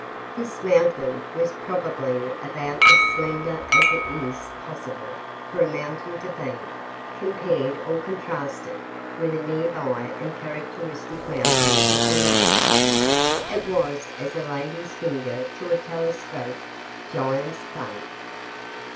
This mountain was probably about as slender as it is possible for a mountain to be. Compared, or contrasted, with a nearby and characteristic mountain of the range, it was as a lady's finger to a telescoped giant's thumb.